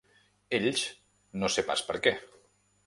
Ells, no sé pas per què.